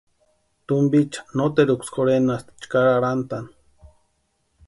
Tumpicha noteruksï jurhenasti chʼkari arhantʼani.